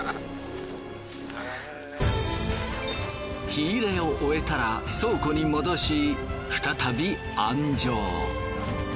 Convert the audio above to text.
日入れを終えたら倉庫に戻し再び庵蒸。